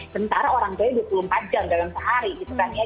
sementara orang tuanya dua puluh empat jam dalam sehari gitu kan ya